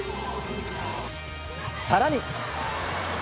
さらに。